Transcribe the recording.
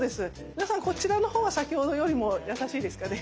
皆さんこちらのほうが先ほどよりも優しいですかね。